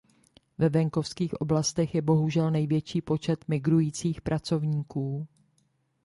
Ve venkovských oblastech je bohužel největší počet migrujících pracovníků.